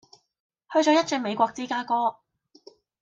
去左一轉美國芝加哥